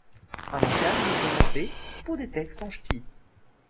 Un encart y est réservé pour des textes en ch'ti.